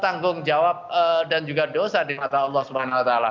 tanggung jawab dan juga dosa di mata allah swt